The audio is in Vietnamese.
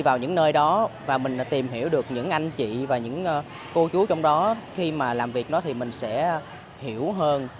và những cô chú trong đó khi mà làm việc đó thì mình sẽ hiểu hơn